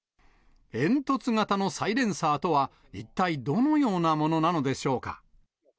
煙突型のサイレンサーとは、一体どのようなものなのでしょうか。